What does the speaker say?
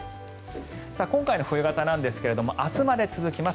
今回の冬型なんですが明日まで続きます。